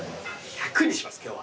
１００にします今日は。